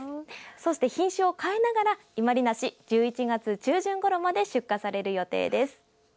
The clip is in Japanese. そして品種を変えながら伊万里梨１１月中旬ごろまで出荷される予定です。